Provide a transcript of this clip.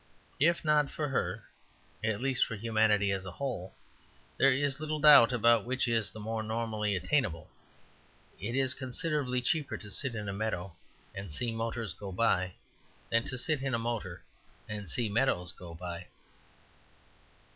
If not for her, at least for humanity as a whole, there is little doubt about which is the more normally attainable. It is considerably cheaper to sit in a meadow and see motors go by than to sit in a motor and see meadows go by.